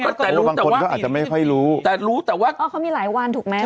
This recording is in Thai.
แต่บางคนก็อาจจะไม่ค่อยรู้แต่รู้แต่ว่าอ๋อเขามีหลายวันถูกไหม